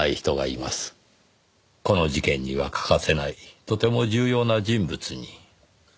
この事件には欠かせないとても重要な人物に。